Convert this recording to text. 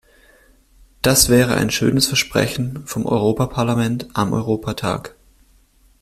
Das wäre ein schönes Versprechen vom Europaparlament am Europatag.